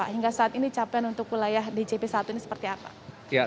hingga saat ini capaian untuk wilayah djp satu ini seperti apa